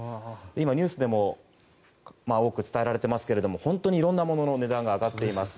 今、ニュースでも多く伝えられていますけど本当に色んなものの値段が上がっています。